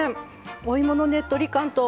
お芋のねっとり感と。